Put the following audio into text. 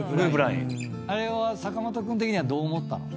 あれは坂本君的にはどう思ったの？